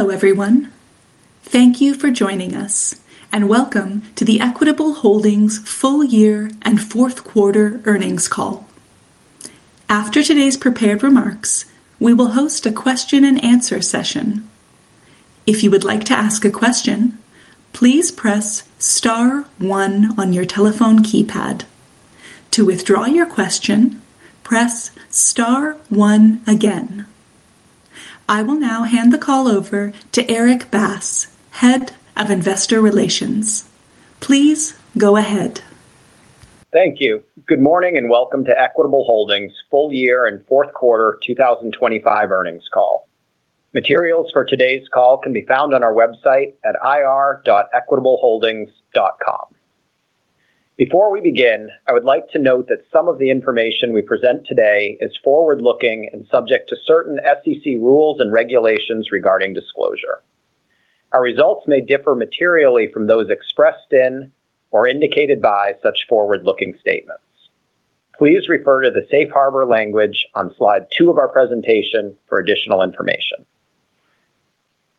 Hello, everyone. Thank you for joining us, and welcome to the Equitable Holdings full year and fourth quarter earnings call. After today's prepared remarks, we will host a question and answer session. If you would like to ask a question, please press star one on your telephone keypad. To withdraw your question, press star one again. I will now hand the call over to Erik Bass, Head of Investor Relations. Please go ahead. Thank you. Good morning, and welcome to Equitable Holdings full year and fourth quarter 2025 earnings call. Materials for today's call can be found on our website at ir.equitableholdings.com. Before we begin, I would like to note that some of the information we present today is forward-looking and subject to certain SEC rules and regulations regarding disclosure. Our results may differ materially from those expressed in or indicated by such forward-looking statements. Please refer to the safe harbor language on slide two of our presentation for additional information.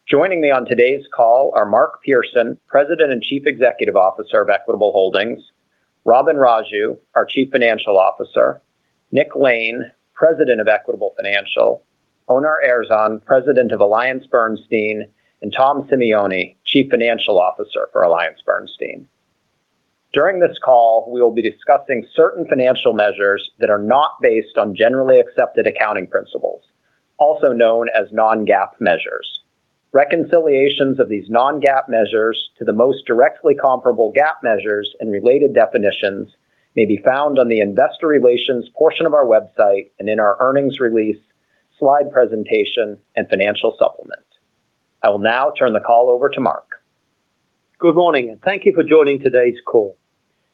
Joining me on today's call are Mark Pearson, President and Chief Executive Officer of Equitable Holdings, Robin Raju, our Chief Financial Officer, Nick Lane, President of Equitable Financial, Onur Erzan, President of AllianceBernstein, and Tom Simeone, Chief Financial Officer for AllianceBernstein. During this call, we will be discussing certain financial measures that are not based on Generally Accepted Accounting Principles, also known as non-GAAP measures. Reconciliations of these non-GAAP measures to the most directly comparable GAAP measures and related definitions may be found on the Investor Relations portion of our website and in our earnings release, slide presentation, and financial supplement. I will now turn the call over to Mark. Good morning, and thank you for joining today's call.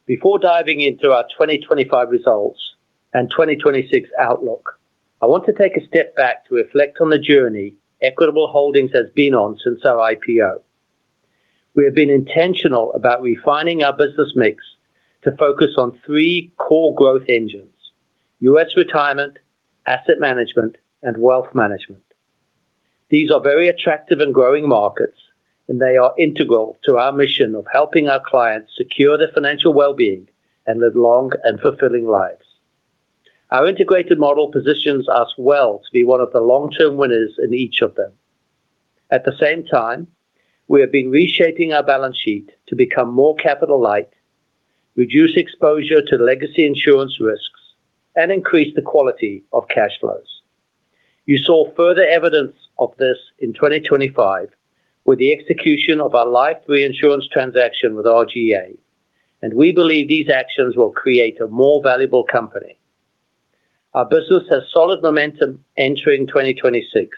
Before diving into our 2025 results and 2026 outlook, I want to take a step back to reflect on the journey Equitable Holdings has been on since our IPO. We have been intentional about refining our business mix to focus on three core growth engines: U.S. retirement, asset management, and wealth management. These are very attractive and growing markets, and they are integral to our mission of helping our clients secure their financial well-being and live long and fulfilling lives. Our integrated model positions us well to be one of the long-term winners in each of them. At the same time, we have been reshaping our balance sheet to become more capital light, reduce exposure to legacy insurance risks, and increase the quality of cash flows. You saw further evidence of this in 2025 with the execution of our life reinsurance transaction with RGA, and we believe these actions will create a more valuable company. Our business has solid momentum entering 2026,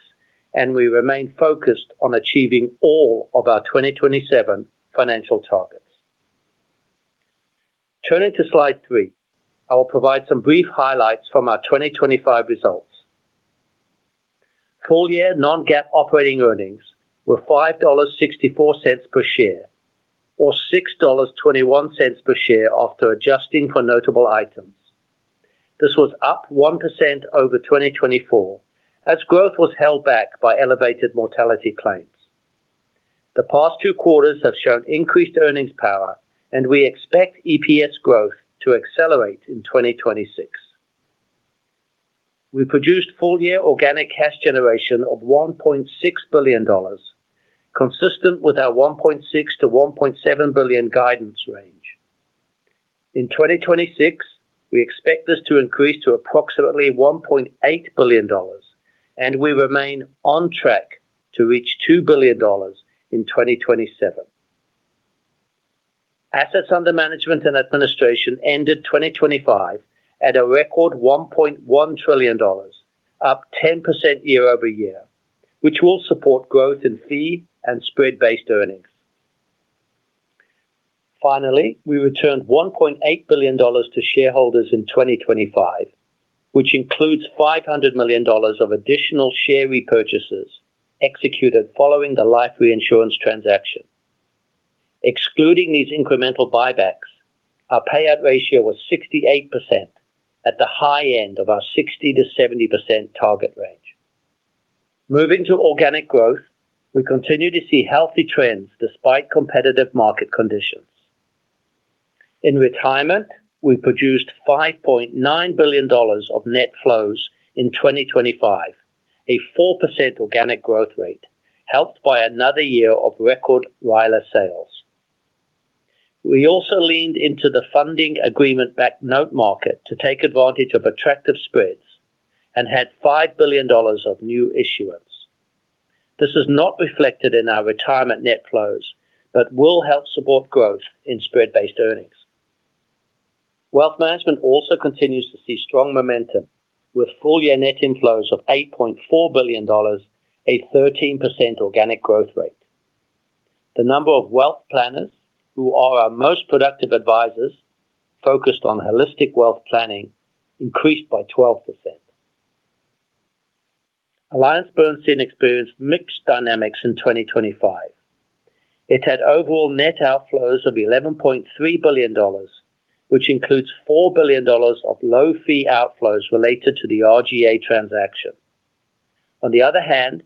and we remain focused on achieving all of our 2027 financial targets. Turning to slide 3, I will provide some brief highlights from our 2025 results. Full-year non-GAAP operating earnings were $5.64 per share, or $6.21 per share after adjusting for notable items. This was up 1% over 2024, as growth was held back by elevated mortality claims. The past two quarters have shown increased earnings power, and we expect EPS growth to accelerate in 2026. We produced full-year organic cash generation of $1.6 billion, consistent with our $1.6 billion-$1.7 billion guidance range. In 2026, we expect this to increase to approximately $1.8 billion, and we remain on track to reach $2 billion in 2027. Assets under management and administration ended 2025 at a record $1.1 trillion, up 10% year-over-year, which will support growth in fee and spread-based earnings. Finally, we returned $1.8 billion to shareholders in 2025, which includes $500 million of additional share repurchases executed following the life reinsurance transaction. Excluding these incremental buybacks, our payout ratio was 68% at the high end of our 60%-70% target range. Moving to organic growth, we continue to see healthy trends despite competitive market conditions. In Retirement, we produced $5.9 billion of net flows in 2025, a 4% organic growth rate, helped by another year of record RILA sales. We also leaned into the funding agreement-backed note market to take advantage of attractive spreads and had $5 billion of new issuance. This is not reflected in our retirement net flows, but will help support growth in spread-based earnings. Wealth Management also continues to see strong momentum, with full-year net inflows of $8.4 billion, a 13% organic growth rate. The number of wealth planners, who are our most productive advisors focused on holistic wealth planning, increased by 12%. AllianceBernstein experienced mixed dynamics in 2025... It had overall net outflows of $11.3 billion, which includes $4 billion of low-fee outflows related to the RGA transaction. On the other hand,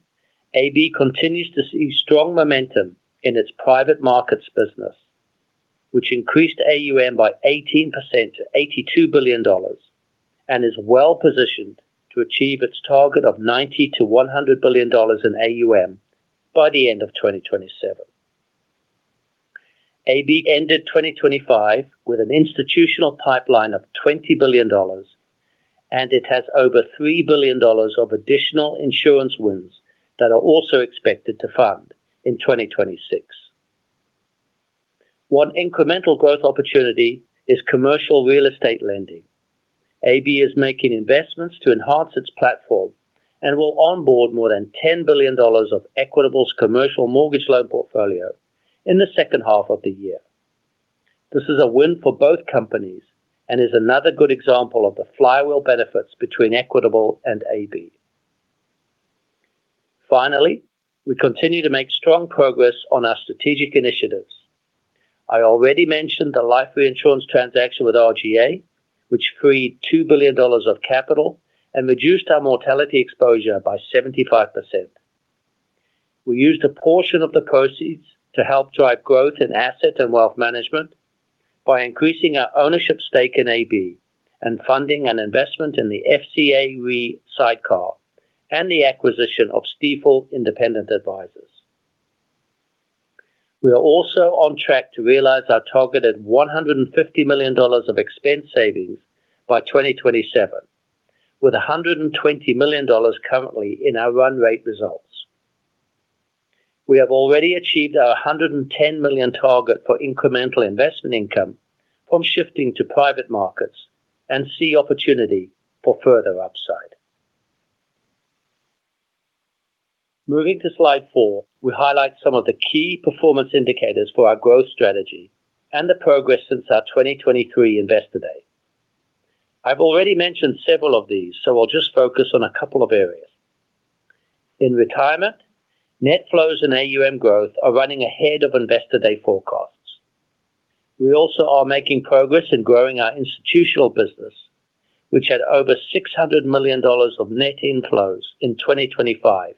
AB continues to see strong momentum in its private markets business, which increased AUM by 18% to $82 billion, and is well-positioned to achieve its target of $90 billion-$100 billion in AUM by the end of 2027. AB ended 2025 with an institutional pipeline of $20 billion, and it has over $3 billion of additional insurance wins that are also expected to fund in 2026. One incremental growth opportunity is commercial real estate lending. AB is making investments to enhance its platform and will onboard more than $10 billion of Equitable's commercial mortgage loan portfolio in the second half of the year. This is a win for both companies and is another good example of the flywheel benefits between Equitable and AB. Finally, we continue to make strong progress on our strategic initiatives. I already mentioned the life reinsurance transaction with RGA, which freed $2 billion of capital and reduced our mortality exposure by 75%. We used a portion of the proceeds to help drive growth in asset and wealth management by increasing our ownership stake in AB and funding an investment in the FCA Re sidecar and the acquisition of Stifel Independent Advisors. We are also on track to realize our targeted $150 million of expense savings by 2027, with $120 million currently in our run rate results. We have already achieved our $110 million target for incremental investment income from shifting to private markets and see opportunity for further upside. Moving to slide four, we highlight some of the key performance indicators for our growth strategy and the progress since our 2023 Investor Day. I've already mentioned several of these, so I'll just focus on a couple of areas. In retirement, net flows and AUM growth are running ahead of Investor Day forecasts. We also are making progress in growing our institutional business, which had over $600 million of net inflows in 2025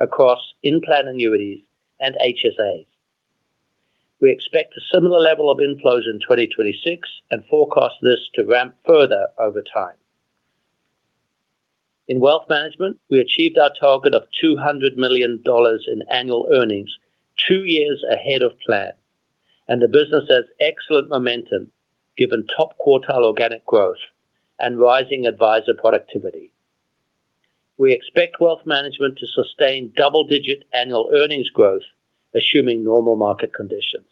across in-plan annuities and HSAs. We expect a similar level of inflows in 2026 and forecast this to ramp further over time. In wealth management, we achieved our target of $200 million in annual earnings two years ahead of plan, and the business has excellent momentum, given top-quartile organic growth and rising advisor productivity. We expect wealth management to sustain double-digit annual earnings growth, assuming normal market conditions.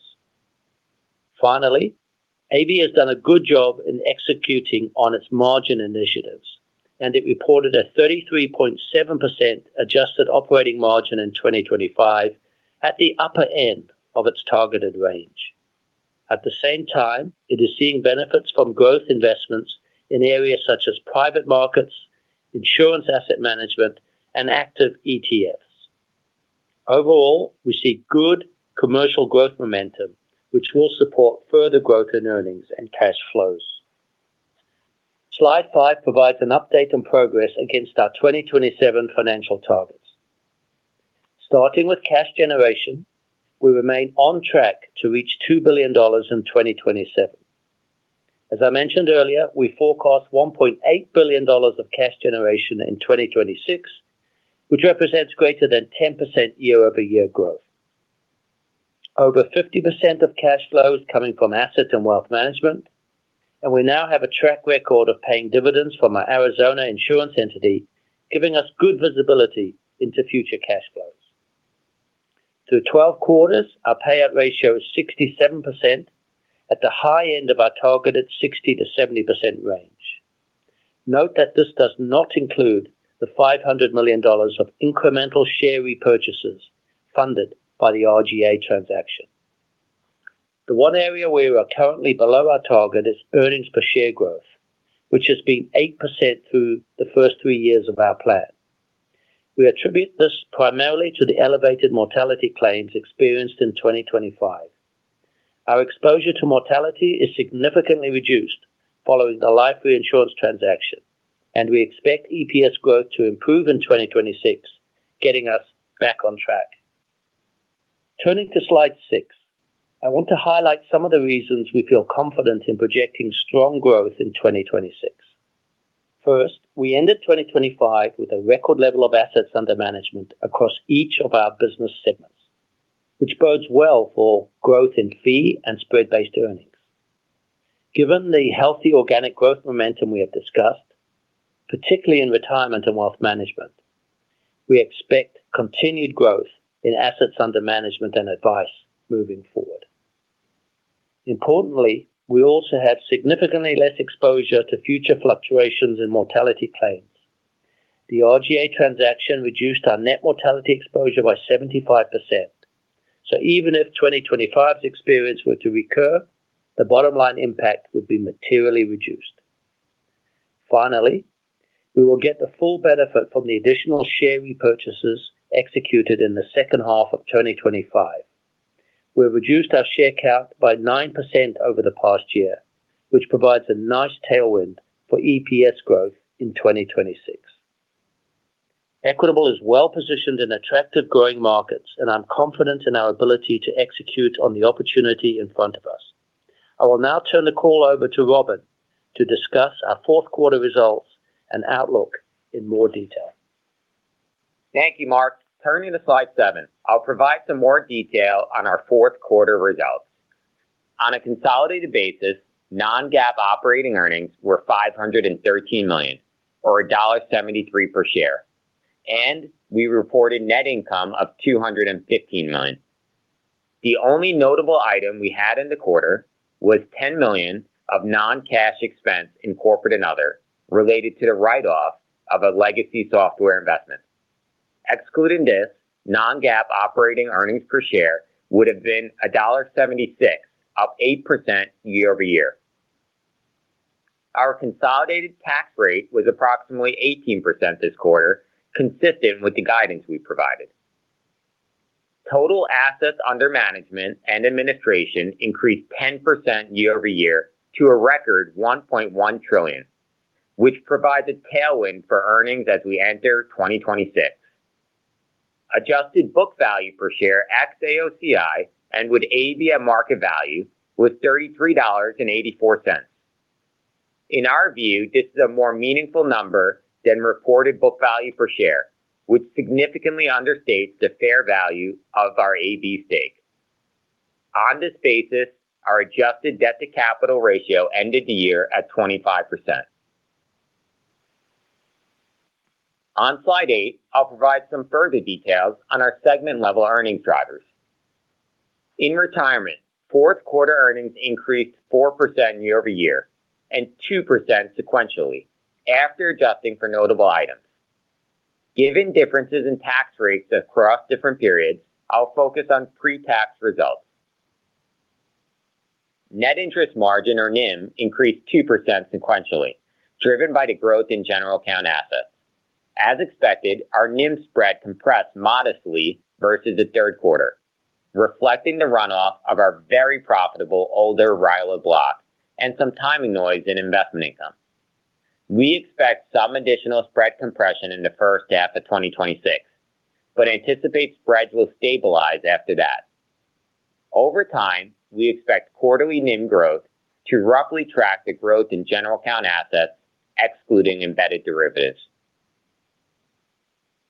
Finally, AB has done a good job in executing on its margin initiatives, and it reported a 33.7% adjusted operating margin in 2025 at the upper end of its targeted range. At the same time, it is seeing benefits from growth investments in areas such as private markets, insurance asset management, and active ETFs. Overall, we see good commercial growth momentum, which will support further growth in earnings and cash flows. Slide five provides an update on progress against our 2027 financial targets. Starting with cash generation, we remain on track to reach $2 billion in 2027. As I mentioned earlier, we forecast $1.8 billion of cash generation in 2026, which represents greater than 10% year-over-year growth. Over 50% of cash flows coming from assets and wealth management, and we now have a track record of paying dividends from our Arizona insurance entity, giving us good visibility into future cash flows. Through 12 quarters, our payout ratio is 67% at the high end of our targeted 60%-70% range. Note that this does not include the $500 million of incremental share repurchases funded by the RGA transaction. The one area where we are currently below our target is earnings per share growth, which has been 8% through the first three years of our plan. We attribute this primarily to the elevated mortality claims experienced in 2025. Our exposure to mortality is significantly reduced following the life reinsurance transaction, and we expect EPS growth to improve in 2026, getting us back on track. Turning to slide six, I want to highlight some of the reasons we feel confident in projecting strong growth in 2026. First, we ended 2025 with a record level of assets under management across each of our business segments, which bodes well for growth in fee and spread-based earnings. Given the healthy organic growth momentum we have discussed, particularly in retirement and wealth management, we expect continued growth in assets under management and advice moving forward. Importantly, we also have significantly less exposure to future fluctuations in mortality claims. The RGA transaction reduced our net mortality exposure by 75%, so even if 2025's experience were to recur, the bottom line impact would be materially reduced.... Finally, we will get the full benefit from the additional share repurchases executed in the second half of 2025. We've reduced our share count by 9% over the past year, which provides a nice tailwind for EPS growth in 2026. Equitable is well positioned in attractive growing markets, and I'm confident in our ability to execute on the opportunity in front of us. I will now turn the call over to Robin to discuss our fourth quarter results and outlook in more detail. Thank you, Mark. Turning to slide seven, I'll provide some more detail on our fourth quarter results. On a consolidated basis, non-GAAP operating earnings were $513 million, or $1.73 per share, and we reported net income of $215 million. The only notable item we had in the quarter was $10 million of non-cash expense in Corporate and Other, related to the write-off of a legacy software investment. Excluding this, non-GAAP operating earnings per share would have been $1.76, up 8% year-over-year. Our consolidated tax rate was approximately 18% this quarter, consistent with the guidance we provided. Total assets under management and administration increased 10% year-over-year to a record 1.1 trillion, which provides a tailwind for earnings as we enter 2026. Adjusted book value per share ex-AOCI and with AB at market value was $33.84. In our view, this is a more meaningful number than reported book value per share, which significantly understates the fair value of our AB stake. On this basis, our adjusted debt-to-capital ratio ended the year at 25%. On slide eight, I'll provide some further details on our segment-level earnings drivers. In retirement, fourth quarter earnings increased 4% year-over-year and 2% sequentially, after adjusting for notable items. Given differences in tax rates across different periods, I'll focus on pre-tax results. Net interest margin, or NIM, increased 2% sequentially, driven by the growth in general account assets. As expected, our NIM spread compressed modestly versus the third quarter, reflecting the runoff of our very profitable older RILA block and some timing noise in investment income. We expect some additional spread compression in the first half of 2026, but anticipate spreads will stabilize after that. Over time, we expect quarterly NIM growth to roughly track the growth in general account assets, excluding embedded derivatives.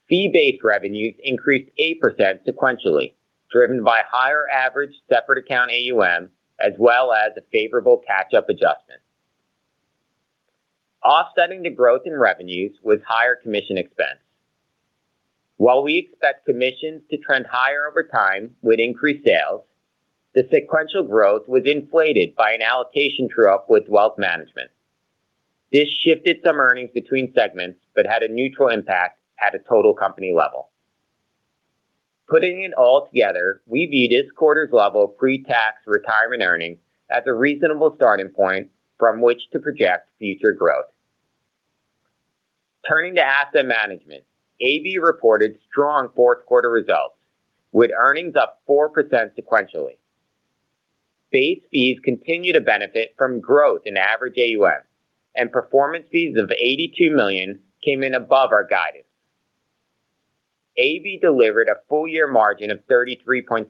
Fee-based revenues increased 8% sequentially, driven by higher average separate account AUM, as well as a favorable catch-up adjustment. Offsetting the growth in revenues was higher commission expense. While we expect commissions to trend higher over time with increased sales, the sequential growth was inflated by an allocation true-up with wealth management. This shifted some earnings between segments, but had a neutral impact at a total company level. Putting it all together, we view this quarter's level of pre-tax retirement earnings as a reasonable starting point from which to project future growth. Turning to asset management, AB reported strong fourth quarter results, with earnings up 4% sequentially. Base fees continue to benefit from growth in average AUM, and performance fees of $82 million came in above our guidance. AB delivered a full year margin of 33.7%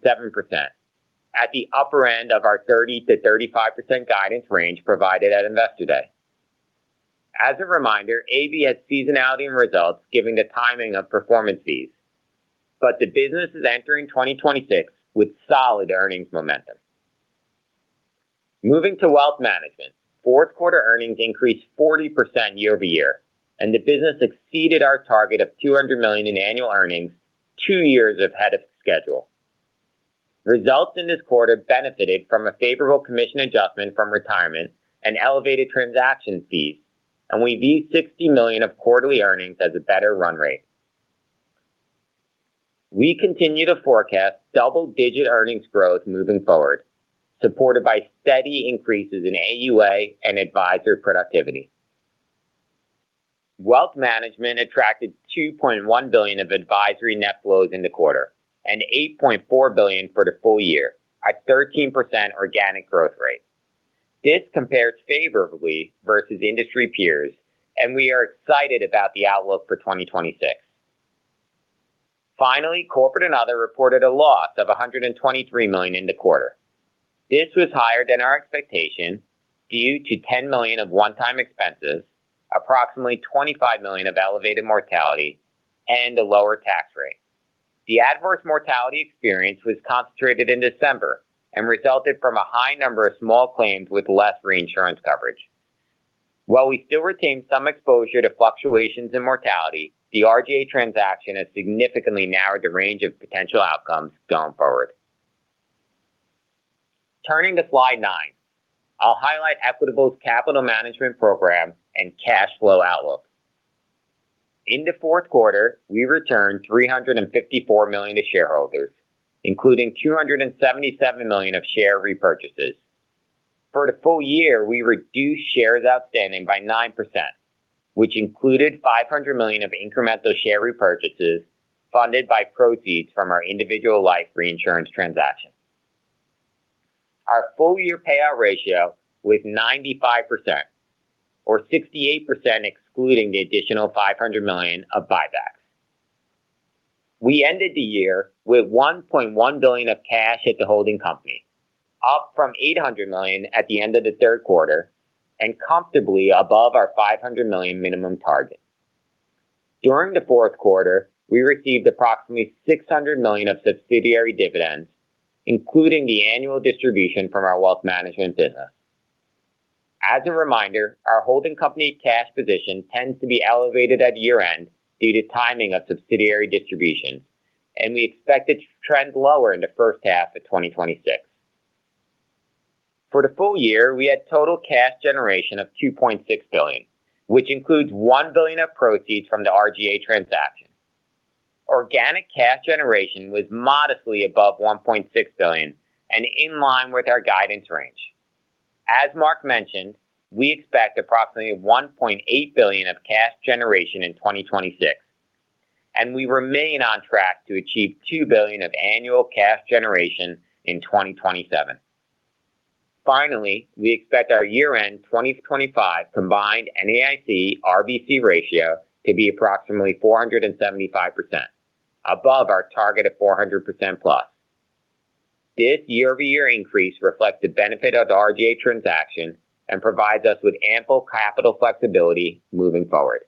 at the upper end of our 30-35% guidance range provided at Investor Day. As a reminder, AB has seasonality in results, given the timing of performance fees, but the business is entering 2026 with solid earnings momentum. Moving to wealth management, fourth quarter earnings increased 40% year-over-year, and the business exceeded our target of $200 million in annual earnings two years ahead of schedule. Results in this quarter benefited from a favorable commission adjustment from retirement and elevated transaction fees, and we view $60 million of quarterly earnings as a better run rate. We continue to forecast double-digit earnings growth moving forward, supported by steady increases in AUA and advisor productivity. Wealth Management attracted $2.1 billion of advisory net flows in the quarter and $8.4 billion for the full year at 13% organic growth rate. This compares favorably versus industry peers, and we are excited about the outlook for 2026. Finally, Corporate and Other reported a loss of $123 million in the quarter. This was higher than our expectation due to $10 million of one-time expenses, approximately $25 million of elevated mortality, and a lower tax rate. The adverse mortality experience was concentrated in December and resulted from a high number of small claims with less reinsurance coverage. While we still retain some exposure to fluctuations in mortality, the RGA transaction has significantly narrowed the range of potential outcomes going forward. Turning to slide nine, I'll highlight Equitable's capital management program and cash flow outlook. In the fourth quarter, we returned $354 million to shareholders, including $277 million of share repurchases. For the full year, we reduced shares outstanding by 9%, which included $500 million of incremental share repurchases, funded by proceeds from our individual life reinsurance transaction. Our full year payout ratio was 95%, or 68%, excluding the additional $500 million of buybacks. We ended the year with $1.1 billion of cash at the holding company, up from $800 million at the end of the third quarter, and comfortably above our $500 million minimum target. During the fourth quarter, we received approximately $600 million of subsidiary dividends, including the annual distribution from our wealth management business. As a reminder, our holding company cash position tends to be elevated at year-end due to timing of subsidiary distribution, and we expect it to trend lower in the first half of 2026. For the full year, we had total cash generation of $2.6 billion, which includes $1 billion of proceeds from the RGA transaction. Organic cash generation was modestly above $1.6 billion and in line with our guidance range. As Mark mentioned, we expect approximately $1.8 billion of cash generation in 2026, and we remain on track to achieve $2 billion of annual cash generation in 2027. Finally, we expect our year-end 2025 combined NAIC RBC ratio to be approximately 475%, above our target of 400% plus. This year-over-year increase reflects the benefit of the RGA transaction and provides us with ample capital flexibility moving forward.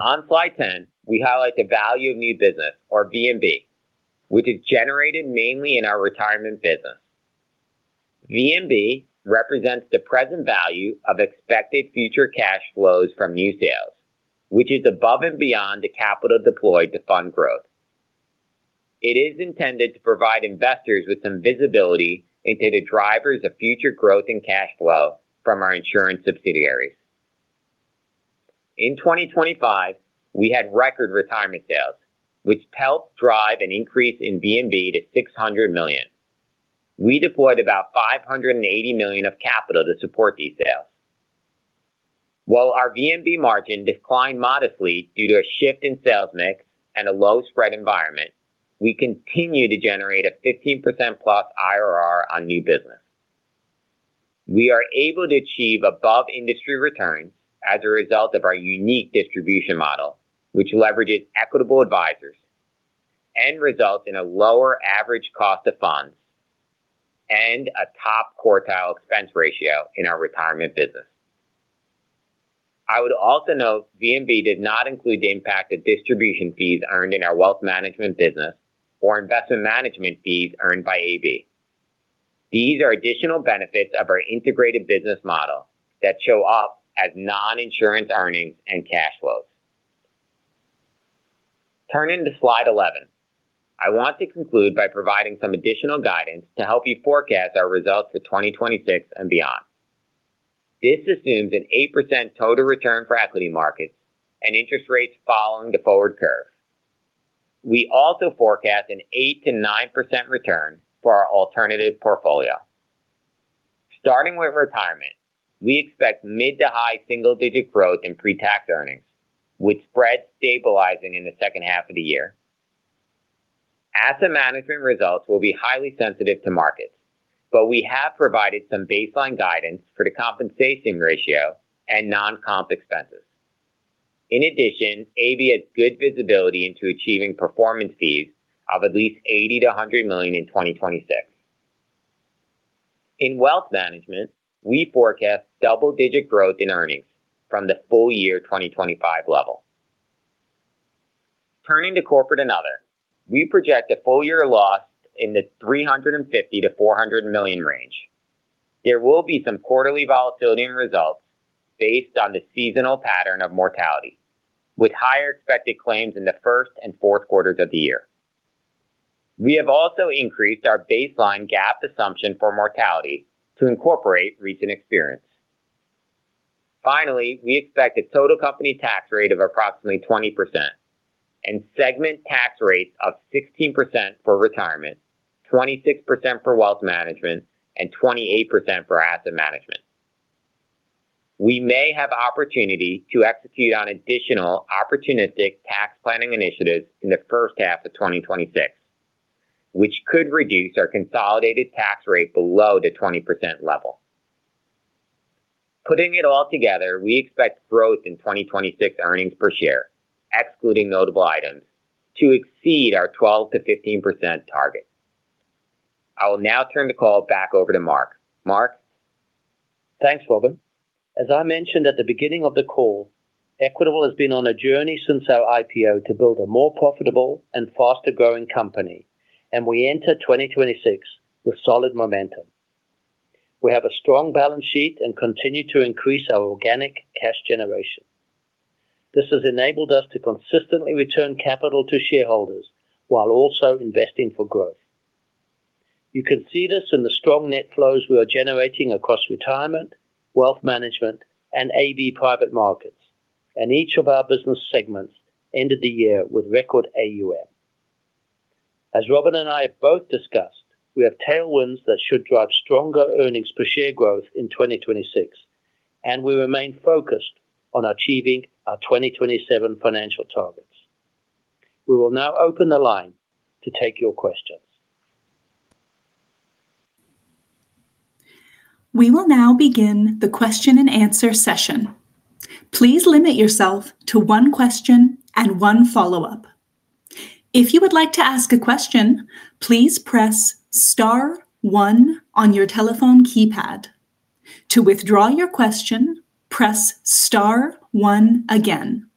On slide 10, we highlight the value of new business, or VNB, which is generated mainly in our retirement business. VNB represents the present value of expected future cash flows from new sales, which is above and beyond the capital deployed to fund growth. It is intended to provide investors with some visibility into the drivers of future growth and cash flow from our insurance subsidiaries. In 2025, we had record retirement sales, which helped drive an increase in VNB to $600 million. We deployed about $580 million of capital to support these sales. While our VNB margin declined modestly due to a shift in sales mix and a low spread environment, we continue to generate a 15%+ IRR on new business. We are able to achieve above-industry returns as a result of our unique distribution model, which leverages Equitable Advisors and results in a lower average cost of funds and a top quartile expense ratio in our retirement business. I would also note VNB did not include the impact of distribution fees earned in our wealth management business or investment management fees earned by AB. These are additional benefits of our integrated business model that show up as non-insurance earnings and cash flows. Turning to slide 11. I want to conclude by providing some additional guidance to help you forecast our results for 2026 and beyond. This assumes an 8% total return for equity markets and interest rates following the forward curve. We also forecast an 8%-9% return for our alternative portfolio. Starting with retirement, we expect mid to high single-digit growth in pre-tax earnings, with spreads stabilizing in the second half of the year. Asset management results will be highly sensitive to markets, but we have provided some baseline guidance for the compensation ratio and non-comp expenses. In addition, AB has good visibility into achieving performance fees of at least $80 million-$100 million in 2026. In wealth management, we forecast double-digit growth in earnings from the full year 2025 level. Turning to corporate and other, we project a full year loss in the $350 million-$400 million range. There will be some quarterly volatility in results based on the seasonal pattern of mortality, with higher expected claims in the first and fourth quarters of the year. We have also increased our baseline GAAP assumption for mortality to incorporate recent experience. Finally, we expect a total company tax rate of approximately 20% and segment tax rates of 16% for retirement, 26% for wealth management, and 28% for asset management. We may have opportunity to execute on additional opportunistic tax planning initiatives in the first half of 2026, which could reduce our consolidated tax rate below the 20% level. Putting it all together, we expect growth in 2026 earnings per share, excluding notable items, to exceed our 12%-15% target. I will now turn the call back over to Mark. Mark? Thanks, Robin. As I mentioned at the beginning of the call, Equitable has been on a journey since our IPO to build a more profitable and faster-growing company, and we enter 2026 with solid momentum. We have a strong balance sheet and continue to increase our organic cash generation. This has enabled us to consistently return capital to shareholders while also investing for growth.... You can see this in the strong net flows we are generating across retirement, wealth management, and AB Private Markets, and each of our business segments ended the year with record AUM. As Robin and I have both discussed, we have tailwinds that should drive stronger earnings per share growth in 2026, and we remain focused on achieving our 2027 financial targets. We will now open the line to take your questions. We will now begin the question-and-answer session. Please limit yourself to one question and one follow-up. If you would like to ask a question, please press star one on your telephone keypad. To withdraw your question, press star one again.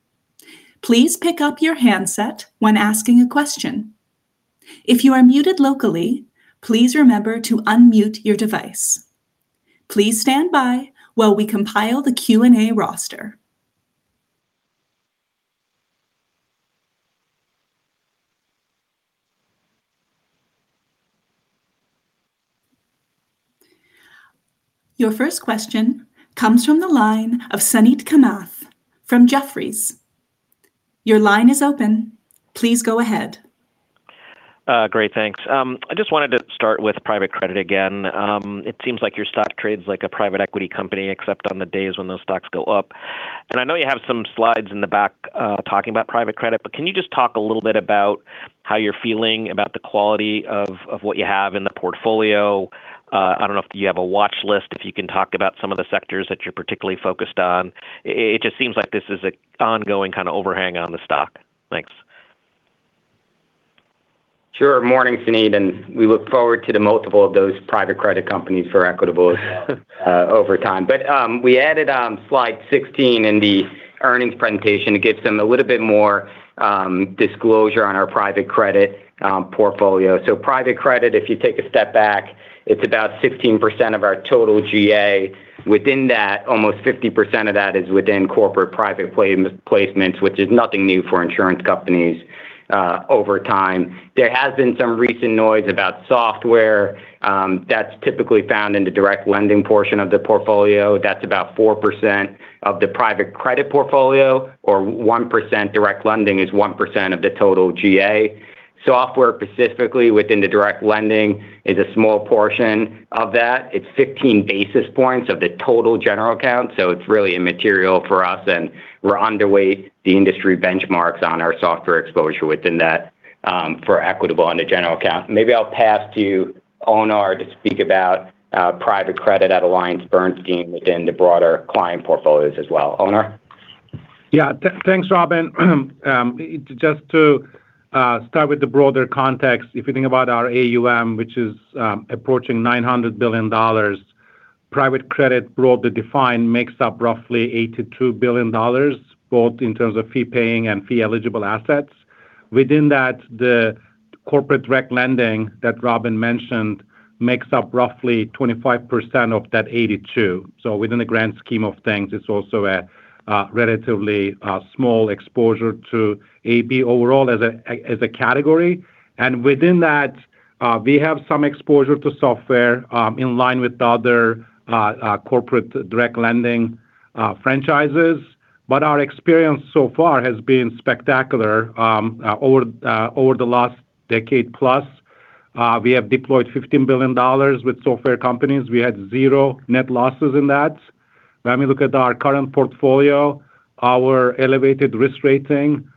Please pick up your handset when asking a question. If you are muted locally, please remember to unmute your device. Please stand by while we compile the Q&A roster. Your first question comes from the line of Suneet Kamath from Jefferies. Your line is open. Please go ahead. Great, thanks. I just wanted to start with private credit again. It seems like your stock trades like a private equity company, except on the days when those stocks go up. And I know you have some slides in the back talking about private credit, but can you just talk a little bit about how you're feeling about the quality of what you have in the portfolio? I don't know if you have a watch list, if you can talk about some of the sectors that you're particularly focused on. It just seems like this is an ongoing kind of overhang on the stock. Thanks. Sure. Morning, Suneet, and we look forward to the multiple of those private credit companies for Equitable as well, over time. But, we added, slide 16 in the earnings presentation. It gives them a little bit more, disclosure on our private credit, portfolio. So private credit, if you take a step back, it's about 16% of our total GA. Within that, almost 50% of that is within corporate private placements, which is nothing new for insurance companies, over time. There has been some recent noise about software, that's typically found in the direct lending portion of the portfolio. That's about 4% of the private credit portfolio or 1%; direct lending is 1% of the total GA. Software, specifically within the direct lending, is a small portion of that. It's 15 basis points of the total General Account, so it's really immaterial for us, and we're underweight the industry benchmarks on our software exposure within that, for Equitable on the General Account. Maybe I'll pass to Onur to speak about private credit at Alliance Bernstein within the broader client portfolios as well. Onur? Yeah. Thanks, Robin. Just to start with the broader context, if you think about our AUM, which is approaching $900 billion, private credit, broadly defined, makes up roughly $82 billion, both in terms of fee-paying and fee-eligible assets. Within that, the corporate direct lending that Robin mentioned makes up roughly 25% of that 82. So within the grand scheme of things, it's also a relatively small exposure to AB overall as a category. And within that, we have some exposure to software in line with other corporate direct lending franchises, but our experience so far has been spectacular. Over the last decade plus, we have deployed $15 billion with software companies. We had zero net losses in that. When we look at our current portfolio, our elevated risk rating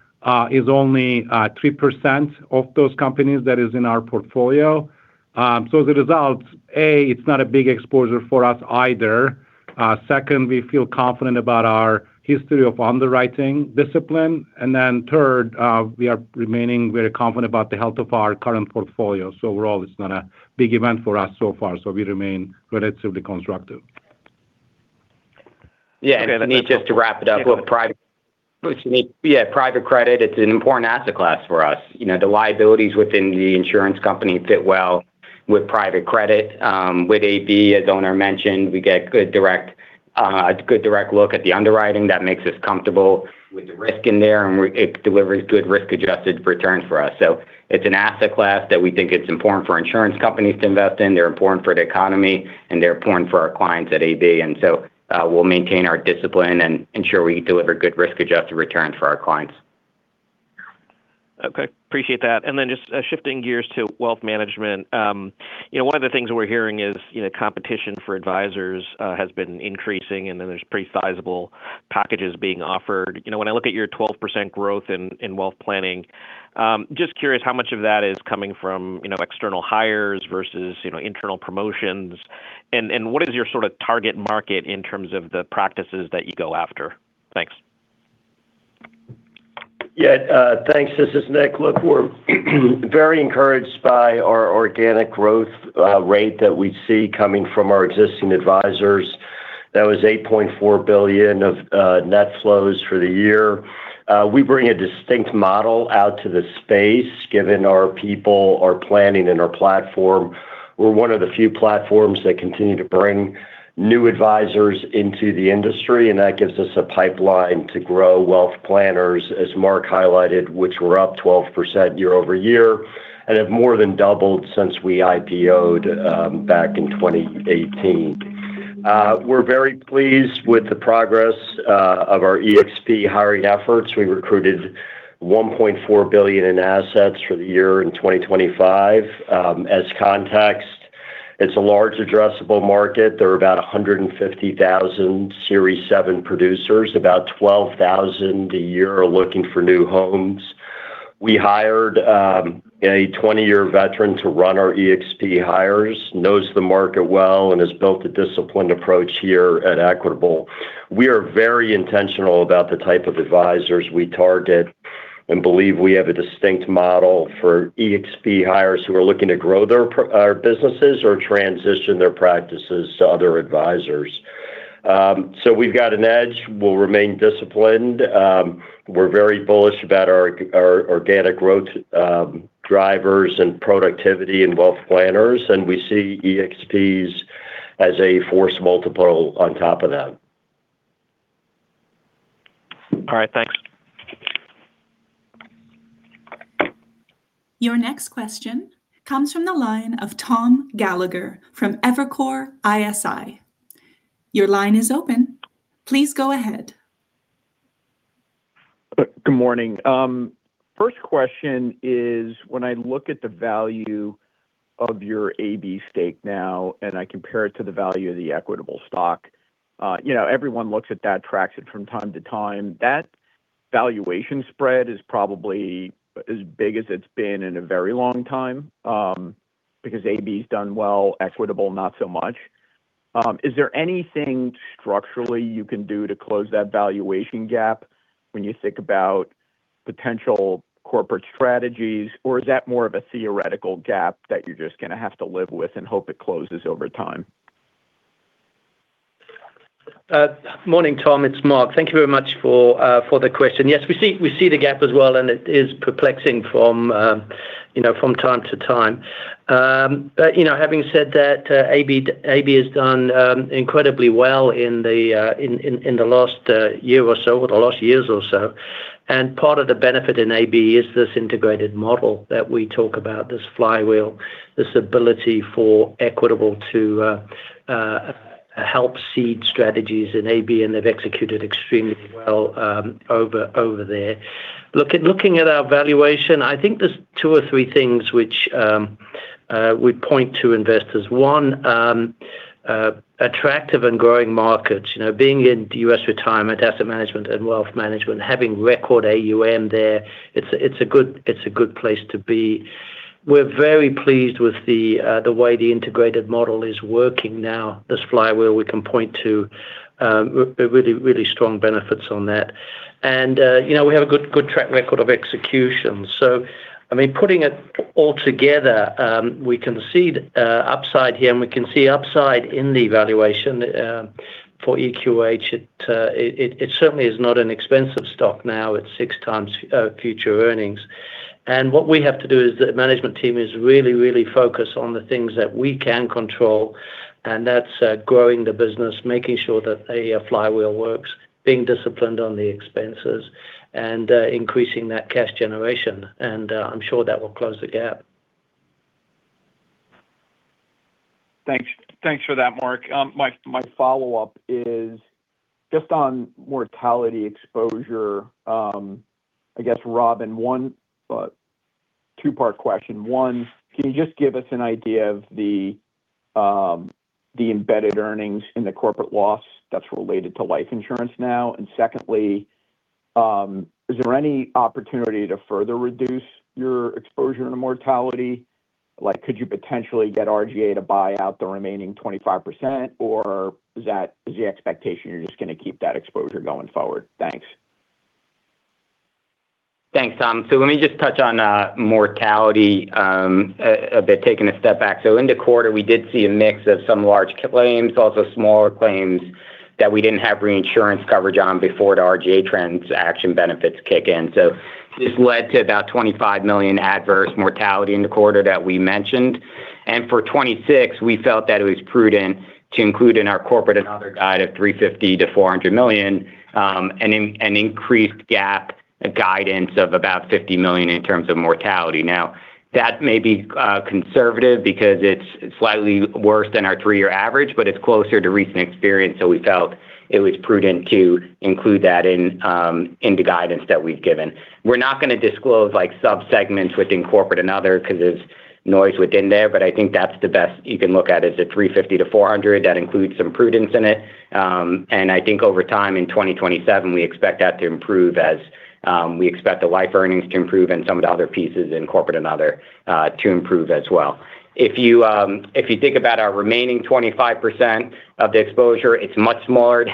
is only 3% of those companies that is in our portfolio. So the results, it's not a big exposure for us either. Second, we feel confident about our history of underwriting discipline. And then third, we are remaining very confident about the health of our current portfolio. So overall, it's not a big event for us so far, so we remain relatively constructive. Yeah, and just to wrap it up, yeah, private credit. It's an important asset class for us. You know, the liabilities within the insurance company fit well with private credit. With AB, as Onur mentioned, we get good direct look at the underwriting that makes us comfortable with the risk in there, and it delivers good risk-adjusted returns for us. So it's an asset class that we think it's important for insurance companies to invest in. They're important for the economy, and they're important for our clients at AB. And so, we'll maintain our discipline and ensure we deliver good risk-adjusted returns for our clients. Okay, appreciate that. And then just shifting gears to wealth management. You know, one of the things we're hearing is, you know, competition for advisors has been increasing, and then there's pretty sizable packages being offered. You know, when I look at your 12% growth in wealth planning, just curious, how much of that is coming from, you know, external hires versus, you know, internal promotions? And what is your sort of target market in terms of the practices that you go after? Thanks. Yeah, thanks. This is Nick. Look, we're very encouraged by our organic growth rate that we see coming from our existing advisors. That was $8.4 billion of net flows for the year. We bring a distinct model out to the space, given our people, our planning, and our platform. We're one of the few platforms that continue to bring new advisors into the industry, and that gives us a pipeline to grow wealth planners, as Mark highlighted, which were up 12% year-over-year and have more than doubled since we IPO'd, um, back in 2018. We're very pleased with the progress of our EXP hiring efforts. We recruited $1.4 billion in assets for the year in 2025. As context, it's a large addressable market. There are about 150,000 Series 7 producers. About 12,000 a year are looking for new homes. We hired a 20-year veteran to run our EXP hires, knows the market well, and has built a disciplined approach here at Equitable. We are very intentional about the type of advisors we target and believe we have a distinct model for EXP hires who are looking to grow their businesses or transition their practices to other advisors. So we've got an edge. We'll remain disciplined. We're very bullish about our organic growth drivers and productivity and wealth planners, and we see EXPs as a force multiple on top of them. All right, thanks. Your next question comes from the line of Tom Gallagher from Evercore ISI. Your line is open. Please go ahead. Good morning. First question is, when I look at the value of your AB stake now, and I compare it to the value of the Equitable stock, you know, everyone looks at that, tracks it from time to time. That valuation spread is probably as big as it's been in a very long time, because AB's done well, Equitable, not so much. Is there anything structurally you can do to close that valuation gap when you think about potential corporate strategies? Or is that more of a theoretical gap that you're just gonna have to live with and hope it closes over time? Morning, Tom. It's Mark. Thank you very much for the question. Yes, we see the gap as well, and it is perplexing from, you know, from time to time. But, you know, having said that, AB has done incredibly well in the last year or so, or the last years or so. And part of the benefit in AB is this integrated model that we talk about, this flywheel, this ability for Equitable to help seed strategies in AB, and they've executed extremely well over there. Looking at our valuation, I think there's two or three things which we'd point to investors. One, attractive and growing markets. You know, being in U.S. retirement, asset management, and wealth management, having record AUM there, it's a good place to be. We're very pleased with the way the integrated model is working now, this flywheel. We can point to really strong benefits on that. And, you know, we have a good track record of execution. So, I mean, putting it all together, we can see upside here, and we can see upside in the valuation for EQH. It certainly is not an expensive stock now. It's 6x future earnings. What we have to do is the management team is really, really focused on the things that we can control, and that's growing the business, making sure that a flywheel works, being disciplined on the expenses, and increasing that cash generation, and I'm sure that will close the gap. Thanks. Thanks for that, Mark. My follow-up is just on mortality exposure. I guess, Robin, one, two-part question. One, can you just give us an idea of the embedded earnings in the corporate loss that's related to life insurance now? And secondly, is there any opportunity to further reduce your exposure to mortality? Like, could you potentially get RGA to buy out the remaining 25%, or is that the expectation you're just gonna keep that exposure going forward? Thanks. Thanks, Tom. So let me just touch on mortality, a bit, taking a step back. So in the quarter, we did see a mix of some large claims, also smaller claims that we didn't have reinsurance coverage on before the RGA transaction benefits kick in. So this led to about $25 million adverse mortality in the quarter that we mentioned. And for 2026, we felt that it was prudent to include in our corporate and other guide of $350 million-$400 million, an increased GAAP guidance of about $50 million in terms of mortality. Now, that may be conservative because it's slightly worse than our three-year average, but it's closer to recent experience, so we felt it was prudent to include that in the guidance that we've given. We're not gonna disclose, like, subsegments within corporate and other because there's noise within there, but I think that's the best you can look at is the $350 million-$400 million. That includes some prudence in it. And I think over time, in 2027, we expect that to improve as we expect the life earnings to improve and some of the other pieces in corporate and other to improve as well. If you, if you think about our remaining 25% of the exposure, it's much smaller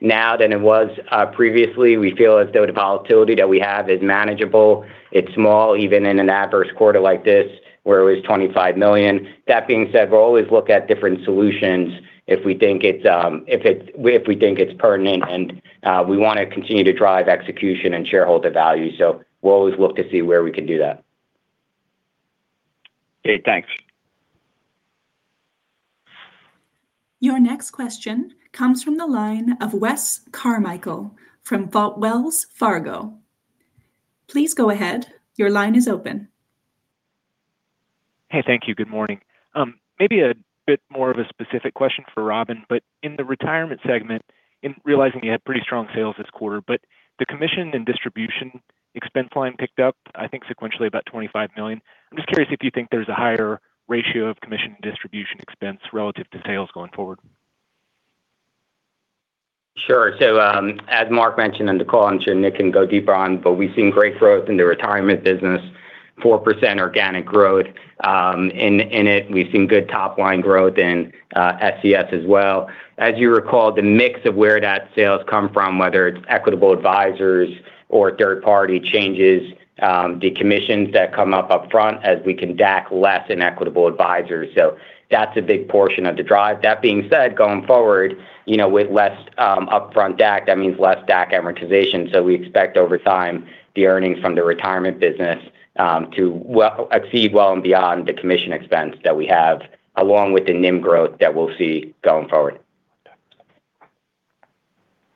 now than it was previously. We feel as though the volatility that we have is manageable. It's small, even in an adverse quarter like this, where it was $25 million. That being said, we'll always look at different solutions if we think it's pertinent and we wanna continue to drive execution and shareholder value. So we'll always look to see where we can do that. Okay, thanks. Your next question comes from the line of Wes Carmichael from Wells Fargo. Please go ahead. Your line is open.... Hey, thank you. Good morning. Maybe a bit more of a specific question for Robin, but in the retirement segment, in realizing you had pretty strong sales this quarter, but the commission and distribution expense line picked up, I think, sequentially about $25 million. I'm just curious if you think there's a higher ratio of commission and distribution expense relative to sales going forward. Sure. So, as Mark mentioned on the call, I'm sure Nick can go deeper on, but we've seen great growth in the retirement business, 4% organic growth. In it, we've seen good top line growth in SCS as well. As you recall, the mix of where that sales come from, whether it's Equitable Advisors or third-party changes, the commissions that come up upfront as we can DAC less in Equitable Advisors. So that's a big portion of the drive. That being said, going forward, you know, with less upfront DAC, that means less DAC amortization. So we expect over time, the earnings from the retirement business to well exceed well and beyond the commission expense that we have, along with the NIM growth that we'll see going forward.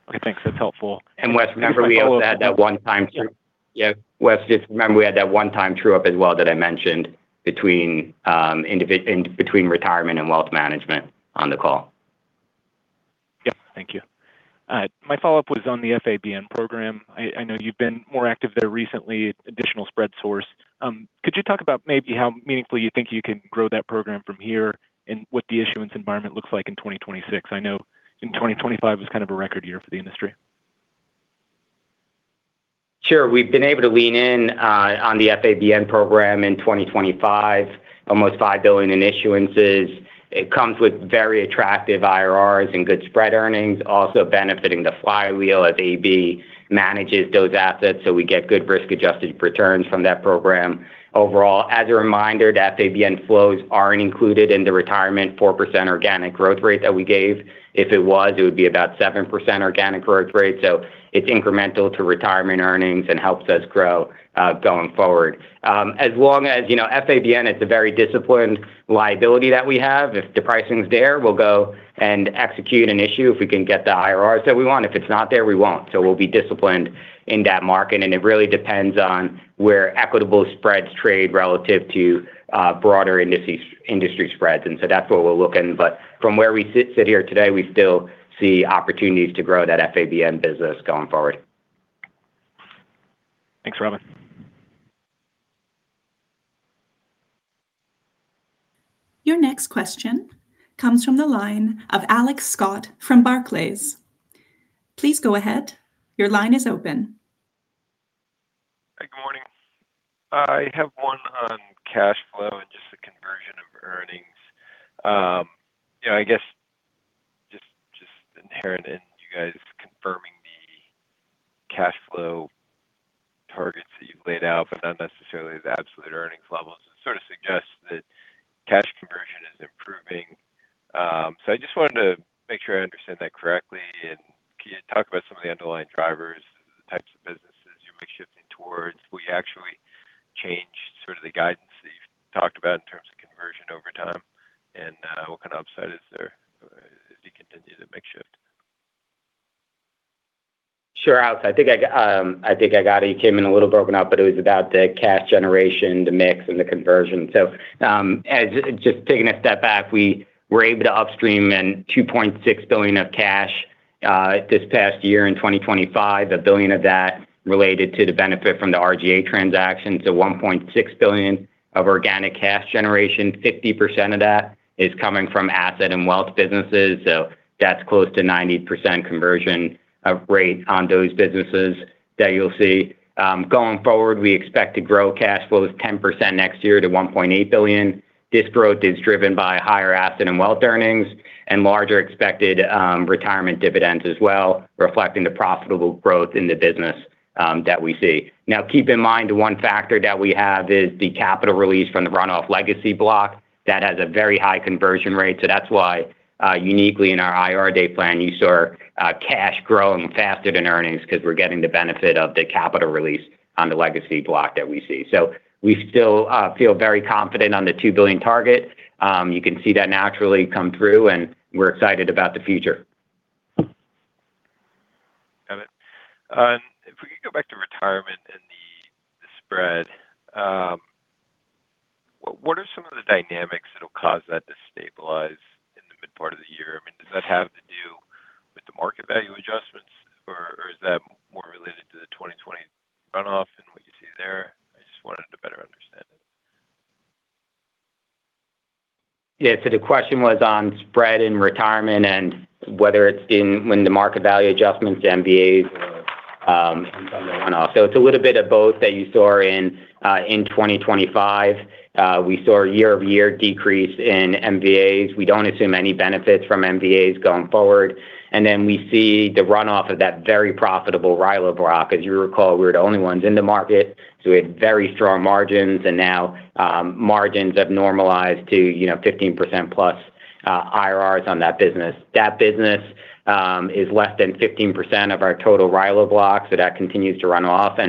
Okay, thanks. That's helpful. Wes, remember, we had that one time through- Yeah. Yeah. Wes, just remember we had that one time true up as well that I mentioned between Retirement and Wealth Management on the call. Yep. Thank you. My follow-up was on the FABN program. I, I know you've been more active there recently, additional spread source. Could you talk about maybe how meaningfully you think you can grow that program from here and what the issuance environment looks like in 2026? I know in 2025 was kind of a record year for the industry. Sure. We've been able to lean in on the FABN program in 2025, almost $5 billion in issuances. It comes with very attractive IRRs and good spread earnings, also benefiting the flywheel as AB manages those assets, so we get good risk-adjusted returns from that program. Overall, as a reminder, the FABN flows aren't included in the retirement 4% organic growth rate that we gave. If it was, it would be about 7% organic growth rate, so it's incremental to retirement earnings and helps us grow going forward. As long as, you know, FABN, it's a very disciplined liability that we have. If the pricing's there, we'll go and execute an issue if we can get the IRRs that we want. If it's not there, we won't. So we'll be disciplined in that market, and it really depends on where Equitable spreads trade relative to broader industry spreads. And so that's what we're looking. But from where we sit here today, we still see opportunities to grow that FABN business going forward. Thanks, Robin. Your next question comes from the line of Alex Scott from Barclays. Please go ahead. Your line is open. Hi, good morning. I have one on cash flow and just the conversion of earnings. You know, I guess just, just inherent in you guys confirming the cash flow targets that you've laid out, but not necessarily the absolute earnings levels. It sort of suggests that cash conversion is improving. So I just wanted to make sure I understand that correctly. And can you talk about some of the underlying drivers, the types of businesses you'll be shifting towards? We actually changed sort of the guidance that you've talked about in terms of conversion over time, and what kind of upside is there as you continue to make shift? Sure, Alex. I think I, I think I got it. You came in a little broken up, but it was about the cash generation, the mix, and the conversion. So, as just taking a step back, we were able to upstream $2.6 billion of cash this past year in 2025, $1 billion of that related to the benefit from the RGA transaction. So $1.6 billion of organic cash generation, 50% of that is coming from asset and wealth businesses. So that's close to 90% conversion of rate on those businesses that you'll see. Going forward, we expect to grow cash flows 10% next year to $1.8 billion. This growth is driven by higher asset and wealth earnings and larger expected retirement dividends as well, reflecting the profitable growth in the business that we see. Now, keep in mind, one factor that we have is the capital release from the run-off legacy block. That has a very high conversion rate. So that's why uniquely in our IRR day plan, you saw cash growing faster than earnings because we're getting the benefit of the capital release on the legacy block that we see. So we still feel very confident on the $2 billion target. You can see that naturally come through, and we're excited about the future. Got it. If we could go back to retirement and the, the spread, what are some of the dynamics that will cause that to stabilize in the mid part of the year? I mean, does that have to do with the market value adjustments, or, or is that more related to the 2020 run-off and what you see there? I just wanted to better understand it. Yeah. So the question was on spread in retirement and whether it's in when the market value adjustments, MVAs, or from the run-off. So it's a little bit of both that you saw in 2025. We saw a year-over-year decrease in MVAs. We don't assume any benefits from MVAs going forward. And then we see the run-off of that very profitable RILA block. As you recall, we were the only ones in the market, so we had very strong margins, and now margins have normalized to, you know, 15%+, IRRs on that business. That business is less than 15% of our total RILA block, so that continues to run off,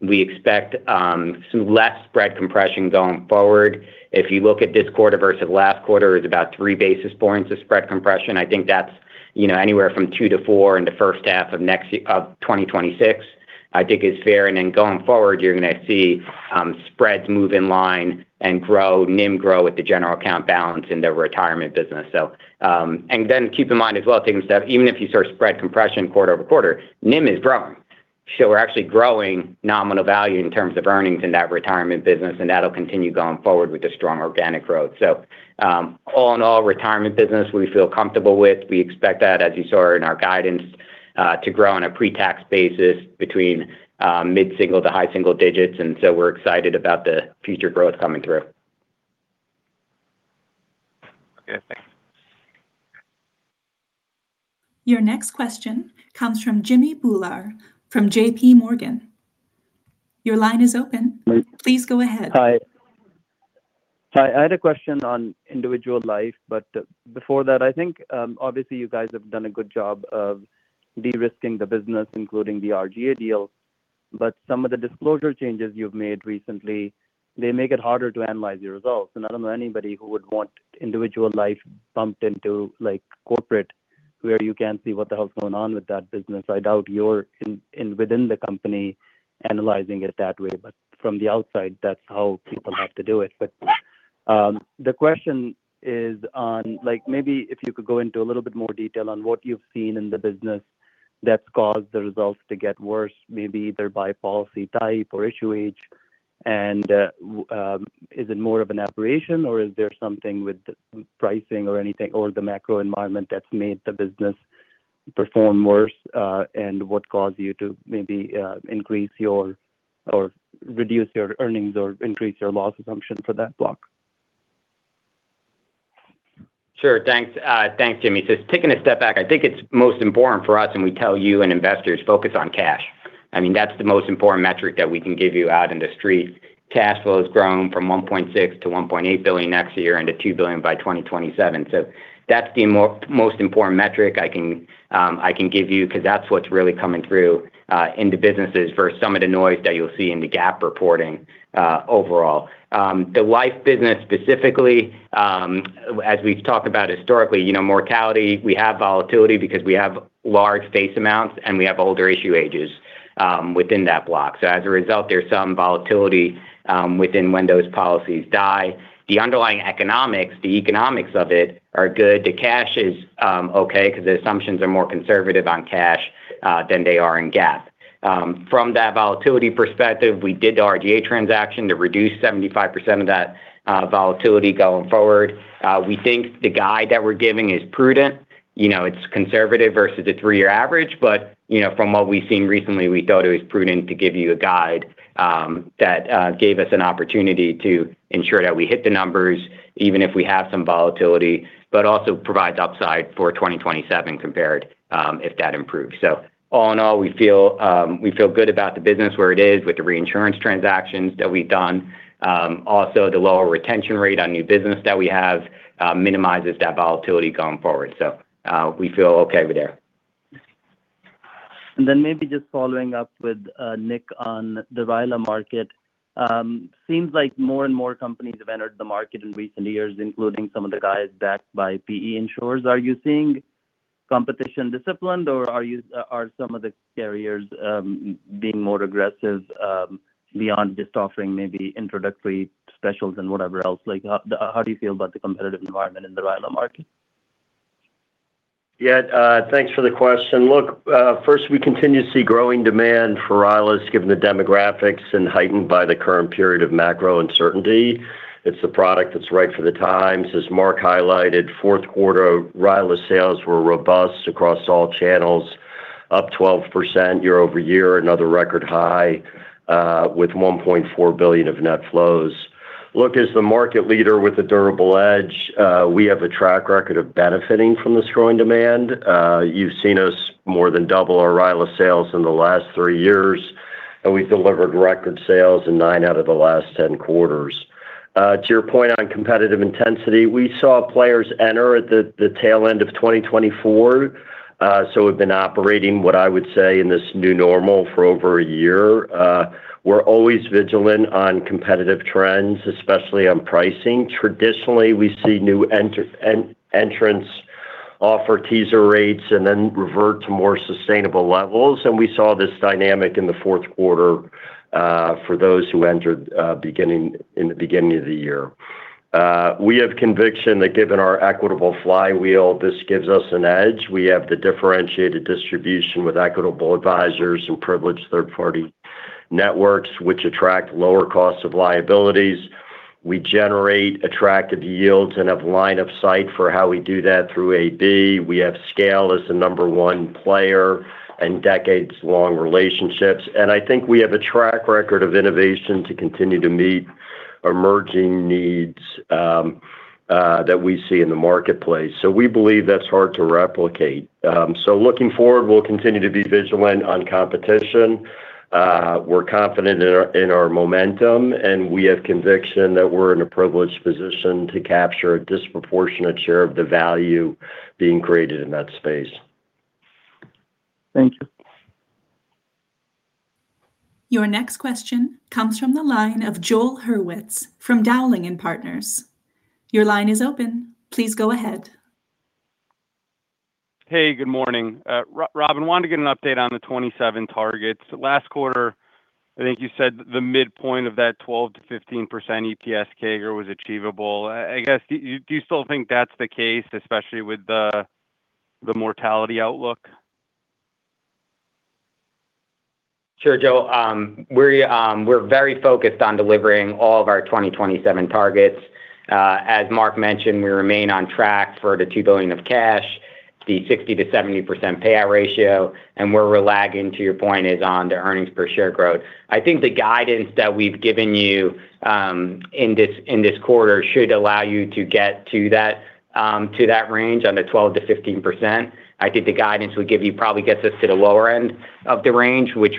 and we expect some less spread compression going forward. If you look at this quarter versus last quarter, it's about 3 basis points of spread compression. I think that's, you know, anywhere from two to four in the first half of next year of 2026. I think is fair. And then going forward, you're going to see, spreads move in line and grow, NIM grow with the general account balance in the retirement business. So, and then keep in mind as well, taking a step, even if you saw spread compression quarter-over-quarter, NIM is growing. So we're actually growing nominal value in terms of earnings in that retirement business, and that'll continue going forward with the strong organic growth. So, all in all, retirement business we feel comfortable with. We expect that, as you saw in our guidance, to grow on a pre-tax basis between mid-single-digit to high-single-digit, and so we're excited about the future growth coming through. Okay, thanks. Your next question comes from Jimmy Bhullar from J.P. Morgan. Your line is open. Hi. Please go ahead. Hi. I had a question on individual life, but before that, I think, obviously, you guys have done a good job of de-risking the business, including the RGA deal, but some of the disclosure changes you've made recently, they make it harder to analyze your results. I don't know anybody who would want individual life bumped into, like, corporate, where you can't see what the hell's going on with that business. I doubt you're within the company analyzing it that way, but from the outside, that's how people have to do it. The question is on, like, maybe if you could go into a little bit more detail on what you've seen in the business that's caused the results to get worse, maybe either by policy type or issue age. Is it more of an aberration or is there something with the pricing or anything, or the macro environment that's made the business perform worse? And what caused you to maybe increase your or reduce your earnings or increase your loss assumption for that block? Sure. Thanks, thanks, Jimmy. So taking a step back, I think it's most important for us, and we tell you and investors, focus on cash. I mean, that's the most important metric that we can give you out in the street. Cash flow has grown from $1.6 billion to $1.8 billion next year into $2 billion by 2027. So that's the most important metric I can, I can give you, 'cause that's what's really coming through in the businesses for some of the noise that you'll see in the GAAP reporting overall. The life business specifically, as we've talked about historically, you know, mortality, we have volatility because we have large face amounts and we have older issue ages within that block. So as a result, there's some volatility within when those policies die. The underlying economics, the economics of it are good. The cash is okay, 'cause the assumptions are more conservative on cash than they are in GAAP. From that volatility perspective, we did the RGA transaction to reduce 75% of that volatility going forward. We think the guide that we're giving is prudent. You know, it's conservative versus a three-year average, but, you know, from what we've seen recently, we thought it was prudent to give you a guide that gave us an opportunity to ensure that we hit the numbers, even if we have some volatility, but also provides upside for 2027 compared if that improves. So all in all, we feel we feel good about the business where it is with the reinsurance transactions that we've done. Also, the lower retention rate on new business that we have minimizes that volatility going forward. So, we feel okay with there. Then maybe just following up with Nick on the RILA market. Seems like more and more companies have entered the market in recent years, including some of the guys backed by PE insurers. Are you seeing competition disciplined, or are some of the carriers being more aggressive beyond just offering maybe introductory specials and whatever else? Like, how do you feel about the competitive environment in the RILA market? Yeah, thanks for the question. Look, first, we continue to see growing demand for RILAs, given the demographics and heightened by the current period of macro uncertainty. It's a product that's right for the times. As Mark highlighted, fourth quarter RILA sales were robust across all channels, up 12% year-over-year, another record high, with $1.4 billion of net flows. Look, as the market leader with a durable edge, we have a track record of benefiting from this growing demand. You've seen us more than double our RILA sales in the last three years, and we've delivered record sales in nine out of the last 10 quarters. To your point on competitive intensity, we saw players enter at the tail end of 2024, so we've been operating what I would say in this new normal for over a year. We're always vigilant on competitive trends, especially on pricing. Traditionally, we see new entrants offer teaser rates and then revert to more sustainable levels, and we saw this dynamic in the fourth quarter, for those who entered in the beginning of the year. We have conviction that given our Equitable flywheel, this gives us an edge. We have the differentiated distribution with Equitable Advisors and privileged third-party networks, which attract lower costs of liabilities. We generate attractive yields and have line of sight for how we do that through AB. We have scale as the number one player and decades-long relationships, and I think we have a track record of innovation to continue to meet emerging needs that we see in the marketplace. So we believe that's hard to replicate. So looking forward, we'll continue to be vigilant on competition. We're confident in our, in our momentum, and we have conviction that we're in a privileged position to capture a disproportionate share of the value being created in that space. Thank you. Your next question comes from the line of Joel Hurwitz from Dowling & Partners. Your line is open. Please go ahead. Hey, good morning. Robin, wanted to get an update on the 27 targets. Last quarter, I think you said the midpoint of that 12%-15% EPS CAGR was achievable. I guess, do you still think that's the case, especially with the mortality outlook? Sure, Joe, we're, we're very focused on delivering all of our 2027 targets. As Mark mentioned, we remain on track for the $2 billion of cash, the 60%-70% payout ratio, and where we're lagging, to your point, is on the earnings per share growth. I think the guidance that we've given you in this quarter should allow you to get to that range on the 12%-15%. I think the guidance we give you probably gets us to the lower end of the range, which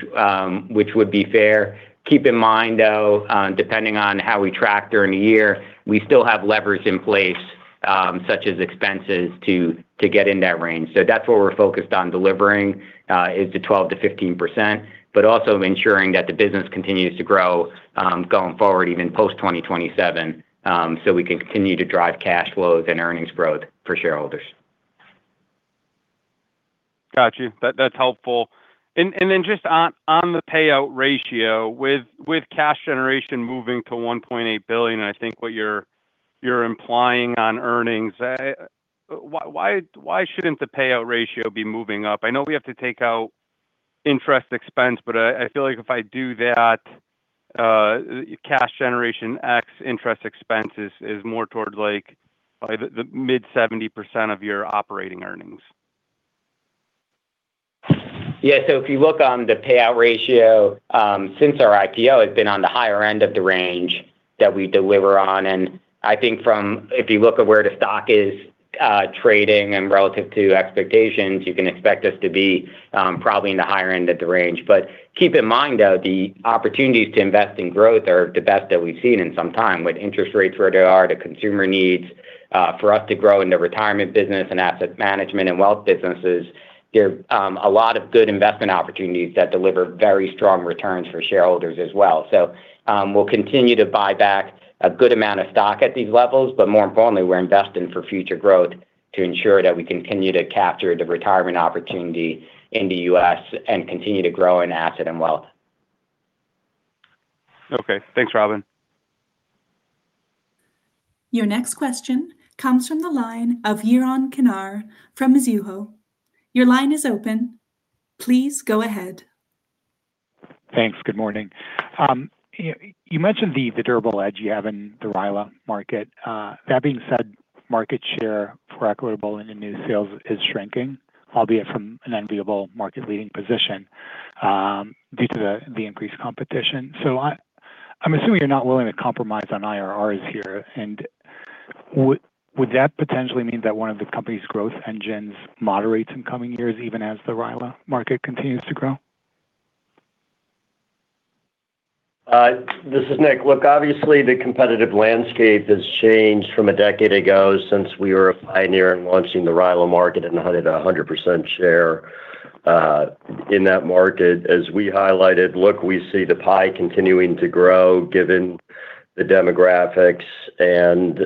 would be fair. Keep in mind, though, depending on how we track during the year, we still have levers in place, such as expenses, to get in that range. So that's what we're focused on delivering, is the 12%-15%, but also ensuring that the business continues to grow, going forward, even post-2027, so we can continue to drive cash flows and earnings growth for shareholders. Got you. That's helpful. And then just on the payout ratio, with cash generation moving to $1.8 billion, and I think what you're implying on earnings, why shouldn't the payout ratio be moving up? I know we have to take out interest expense, but I feel like if I do that, cash generation ex-interest expenses is more towards, like, by the mid-70% of your operating earnings. Yeah. So if you look on the payout ratio, since our IPO has been on the higher end of the range that we deliver on, and I think if you look at where the stock is trading and relative to expectations, you can expect us to be probably in the higher end of the range. But keep in mind, though, the opportunities to invest in growth are the best that we've seen in some time. With interest rates where they are, the consumer needs for us to grow in the retirement business and asset management and wealth businesses, there are a lot of good investment opportunities that deliver very strong returns for shareholders as well. We'll continue to buy back a good amount of stock at these levels, but more importantly, we're investing for future growth to ensure that we continue to capture the retirement opportunity in the U.S. and continue to grow in asset and wealth. Okay. Thanks, Robin. Your next question comes from the line of Yaron Kinar from Mizuho. Your line is open. Please go ahead. Thanks. Good morning. You mentioned the durable edge you have in the RILA market. That being said, market share for Equitable in the new sales is shrinking, albeit from an enviable market-leading position, due to the increased competition. So I'm assuming you're not willing to compromise on IRRs here, and would that potentially mean that one of the company's growth engines moderates in coming years, even as the RILA market continues to grow? This is Nick. Look, obviously, the competitive landscape has changed from a decade ago since we were a pioneer in launching the RILA market and had 100% share in that market. As we highlighted, look, we see the pie continuing to grow, given the demographics and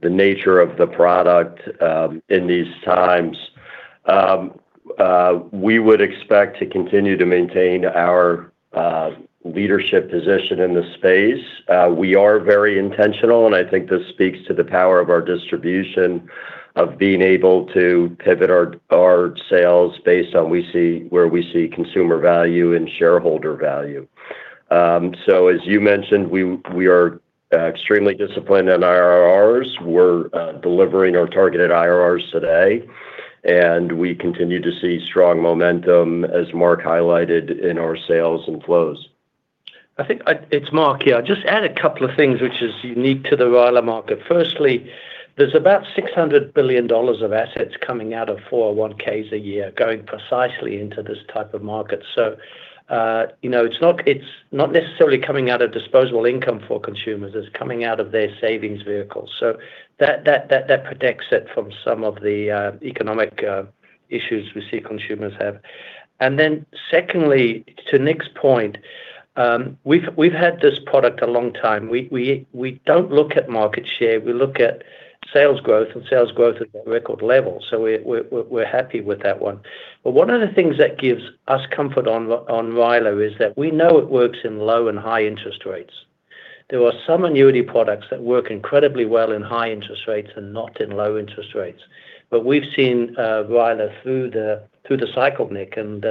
the nature of the product in these times. We would expect to continue to maintain our leadership position in this space. We are very intentional, and I think this speaks to the power of our distribution, of being able to pivot our sales based on where we see consumer value and shareholder value. So as you mentioned, we are extremely disciplined on IRRs. We're delivering our targeted IRRs today, and we continue to see strong momentum, as Mark highlighted, in our sales and flows. I think... It's Mark here. I'll just add a couple of things which is unique to the RILA market. Firstly, there's about $600 billion of assets coming out of 401(k)s a year, going precisely into this type of market. So, you know, it's not necessarily coming out of disposable income for consumers; it's coming out of their savings vehicles. So that protects it from some of the economic issues we see consumers have. And then, secondly, to Nick's point, we've had this product a long time. We don't look at market share, we look at sales growth, and sales growth is at record level, so we're happy with that one. But one of the things that gives us comfort on RILA is that we know it works in low and high interest rates. There are some annuity products that work incredibly well in high interest rates and not in low interest rates, but we've seen RILA through the cycle, Nick, and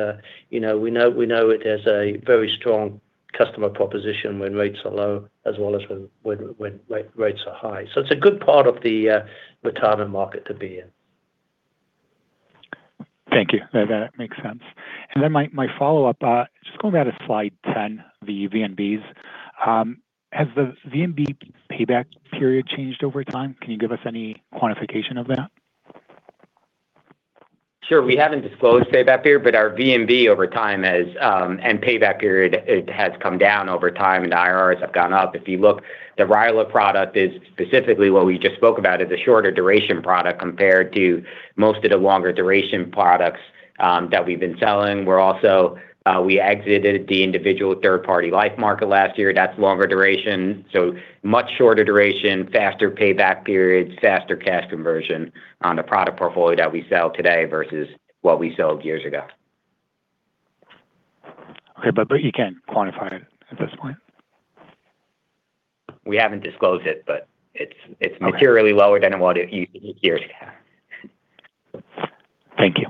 you know, we know it has a very strong customer proposition when rates are low, as well as when rates are high. So it's a good part of the retirement market to be in. Thank you. That makes sense. And then my follow-up, just going back to slide 10, the VNBs. Has the VNB payback period changed over time? Can you give us any quantification of that? Sure. We haven't disclosed payback period, but our VNB over time has, and payback period, it has come down over time and IRRs have gone up. If you look, the RILA product is specifically what we just spoke about, is a shorter duration product compared to most of the longer duration products that we've been selling. We're also, we exited the individual third-party life market last year. That's longer duration, so much shorter duration, faster payback periods, faster cash conversion on the product portfolio that we sell today versus what we sold years ago.... Okay, but you can't quantify it at this point? We haven't disclosed it, but it's- Okay. It's materially lower than what it used to be. Thank you.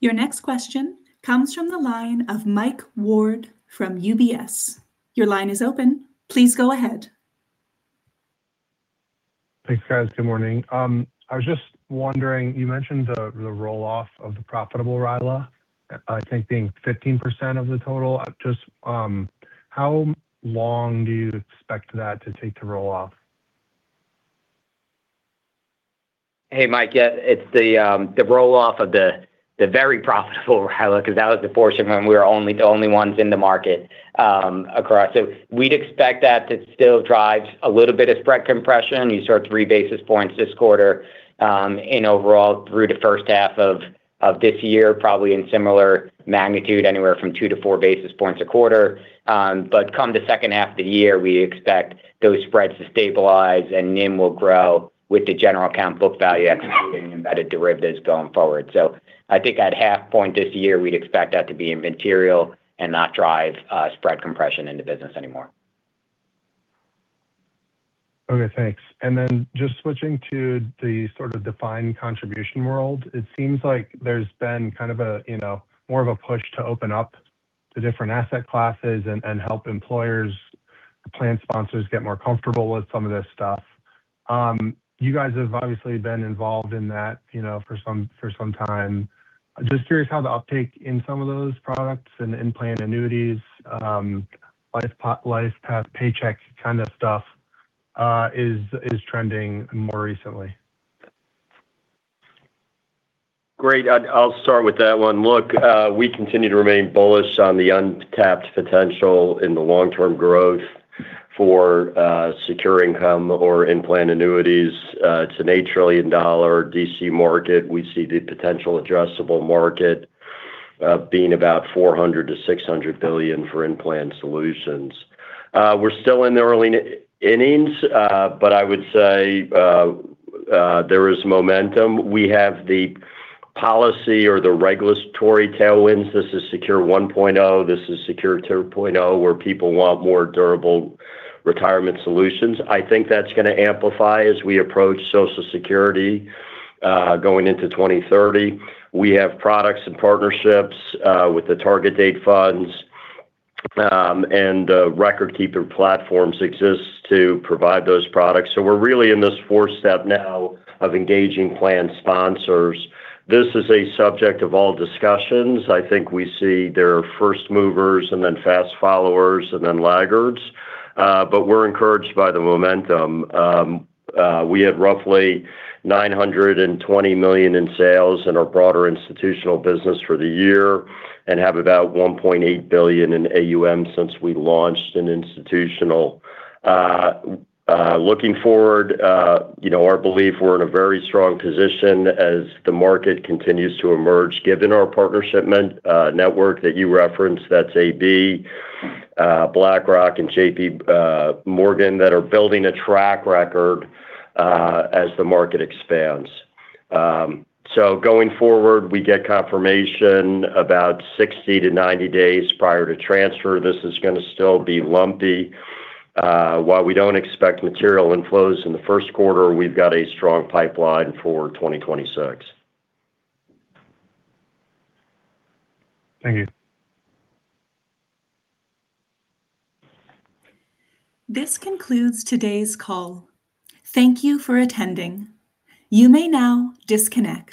Your next question comes from the line of Mike Ward from UBS. Your line is open. Please go ahead. Thanks, guys. Good morning. I was just wondering, you mentioned the roll-off of the profitable RILA, I think being 15% of the total. Just, how long do you expect that to take to roll off? Hey, Mike, yeah, it's the roll-off of the very profitable RILA, 'cause that was the portion when we were the only ones in the market across. So we'd expect that to still drive a little bit of spread compression. You saw it three basis points this quarter in overall through the first half of this year, probably in similar magnitude, anywhere from two to four basis points a quarter. But come the second half of the year, we expect those spreads to stabilize and NIM will grow with the general account book value excluding embedded derivatives going forward. So I think at half point this year, we'd expect that to be immaterial and not drive spread compression in the business anymore. Okay, thanks. And then just switching to the sort of defined contribution world, it seems like there's been kind of a, you know, more of a push to open up to different asset classes and help employers, plan sponsors get more comfortable with some of this stuff. You guys have obviously been involved in that, you know, for some time. Just curious how the uptake in some of those products and in-plan annuities, LifePath Paycheck kind of stuff is trending more recently. Great. I'll start with that one. Look, we continue to remain bullish on the untapped potential in the long-term growth for secure income or in-plan annuities. It's an $8 trillion DC market. We see the potential addressable market being about $400 billion-$600 billion for in-plan solutions. We're still in the early innings, but I would say there is momentum. We have the policy or the regulatory tailwinds. This is SECURE 1.0, this is SECURE 2.0, where people want more durable retirement solutions. I think that's going to amplify as we approach Social Security going into 2030. We have products and partnerships with the target date funds, and recordkeeping platforms exist to provide those products. So we're really in this fourth step now of engaging plan sponsors. This is a subject of all discussions. I think we see there are first movers and then fast followers and then laggards, but we're encouraged by the momentum. We had roughly $920 million in sales in our broader institutional business for the year and have about $1.8 billion in AUM since we launched in institutional. Looking forward, you know, our belief, we're in a very strong position as the market continues to emerge, given our partnership network that you referenced, that's AB, BlackRock and J.P. Morgan, that are building a track record as the market expands. So going forward, we get confirmation about 60-90 days prior to transfer. This is gonna still be lumpy. While we don't expect material inflows in the first quarter, we've got a strong pipeline for 2026. Thank you. This concludes today's call. Thank you for attending. You may now disconnect.